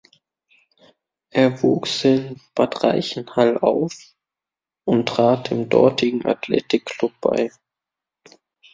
Er wuchs in Bad Reichenhall auf und trat dem dortigen Athletik Club bei.